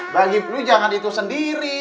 bagi plu jangan itu sendiri